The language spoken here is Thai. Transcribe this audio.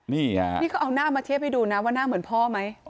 นี่ก็เอาหน้ามาเทียบให้ดูนะว่าหน้าเหมือนพ่อไหม